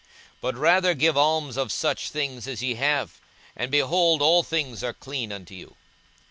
42:011:041 But rather give alms of such things as ye have; and, behold, all things are clean unto you.